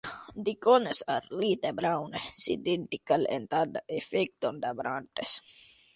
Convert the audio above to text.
The cones are light brown, cylindrical, and stand erect on the branches.